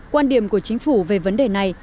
quan điểm của chính phủ về vấn đề này